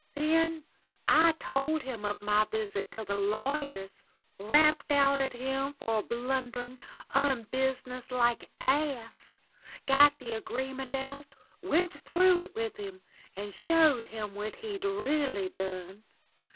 "Then I told him of my visit to the lawyers, rapped out at him for a blundering, unbusiness like ass, got the agreement out, went through it with him, and showed him what he'd really done.